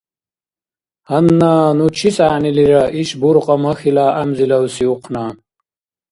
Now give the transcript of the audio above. Гьанна ну чис гӏягӏнилира иш буркьа махьила гӏямзилавси ухъна?